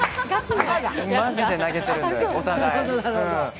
マジで投げてるんで、お互い。